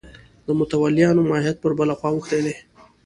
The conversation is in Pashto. د متولیانو ماهیت پر بله خوا اوښتی دی.